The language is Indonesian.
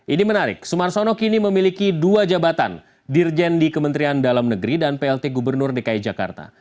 ini menarik sumarsono kini memiliki dua jabatan dirjen di kementerian dalam negeri dan plt gubernur dki jakarta